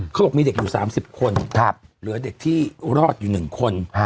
เขาบอกมีเด็กอยู่๓๐คนเหลือเด็กที่รอดอยู่๑คน